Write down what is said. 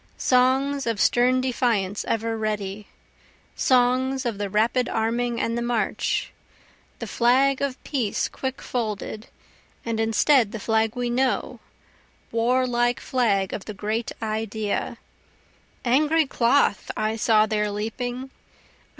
Songs of stern defiance ever ready, Songs of the rapid arming and the march, The flag of peace quick folded, and instead the flag we know, Warlike flag of the great Idea. (Angry cloth I saw there leaping!